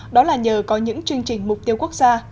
đó là nhờ có những chương trình mục tiêu quốc gia